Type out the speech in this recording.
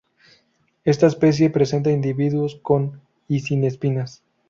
Esta especie presenta individuos con y sin espinas.